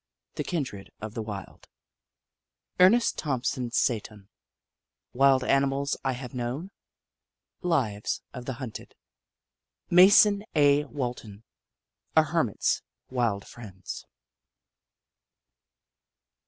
The Kindred of the Wild. Ernest Thompson Seton : Wild Animals I Have Known. Lives of tlie Hunted. Mason A. Walton : A Hermit's Wild Friends.